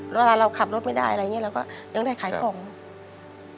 แล้วเวลาเราขับรถไม่ได้อะไรอย่างนี้เราก็ยังได้ขายของ